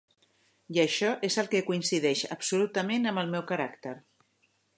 I això és el que coincideix absolutament amb el meu caràcter.